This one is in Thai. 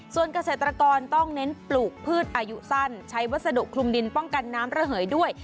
ส่วนเกษตรกรต้องเน้นปลูกพืชอายุสั้นใช้วัสดุคลุมดินป้องกันน้ำระเหยด้วย